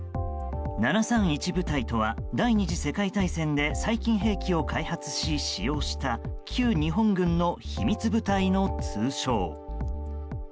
７３１部隊とは第２次世界大戦で細菌兵器を開発し使用した旧日本軍の秘密部隊の通称。